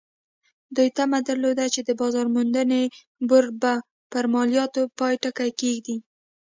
دوی تمه درلوده چې د بازار موندنې بورډ به پر مالیاتو پای ټکی کېږدي.